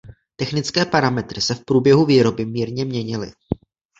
Technické parametry se v průběhu výroby mírně měnily.